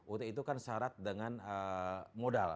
ut itu kan syarat dengan modal